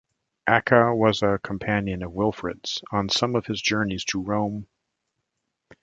Acca was a companion of Wilfrid's on some of his journeys to Rome.